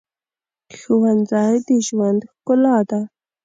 ښوونځی د ژوند ښکلا ده